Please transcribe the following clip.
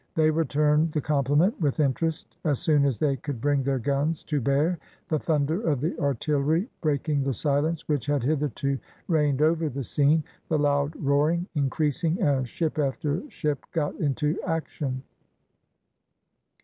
They returned the compliment with interest, as soon as they could bring their guns to bear, the thunder of the artillery breaking the silence which had hitherto reigned over the scene, the loud roaring increasing as ship after ship got into action.